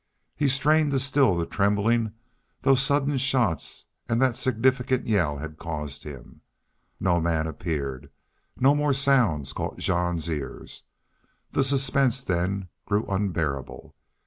He strained to still the trembling those sudden shots and that significant yell had caused him. No man appeared. No more sounds caught Jean's ears. The suspense, then, grew unbearable.